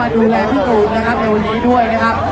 อันนี้ก็เรียกว่าเฟรนด์มากกับเมืองอุไวน์เลยทีเดียวนะครับ